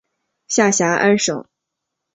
下辖安省。